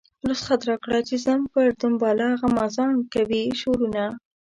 رخصت راکړه چې ځم پر دنباله غمازان کوي شورونه.